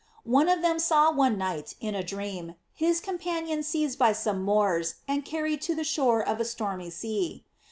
One of them saw one night, in a dream, his companion seized by some Moors and carried to the shore of a stormy sea.